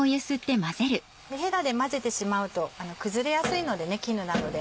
へらで混ぜてしまうと崩れやすいので絹なので。